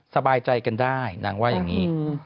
สบายใจกันได้นางว่าอย่างนี้